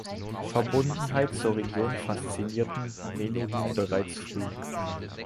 Verbundenheit zur Region faszinierten Menuhin bereits früh.